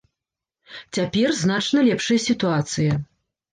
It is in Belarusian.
Цяпер значна лепшая сітуацыя.